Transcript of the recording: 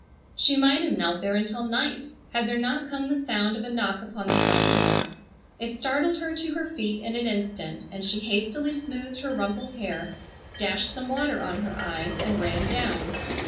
She might have knelt there until night had there not come the sound of a knock upon the front door. It startled her to her feet in an instant, and she hastily smoothed her rumpled hair, dashed some water on her eyes, and ran down.